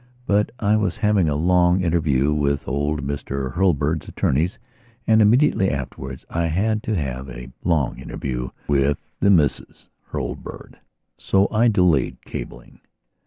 But I was having a long interview with old Mr Hurlbird's attorneys and immediately afterwards I had to have a long interview with the Misses Hurlbird, so I delayed cabling.